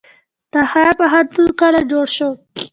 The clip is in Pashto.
تخار پوهنتون کله جوړ شو؟